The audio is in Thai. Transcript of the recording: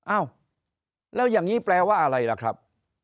อ้าวแล้วอย่างนี้แปลว่าอะไรล่ะครับ